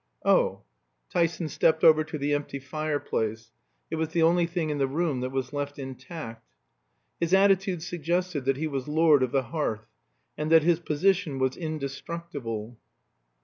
"Oh " Tyson stepped over to the empty fireplace. It was the only thing in the room that was left intact. His attitude suggested that he was lord of the hearth, and that his position was indestructible.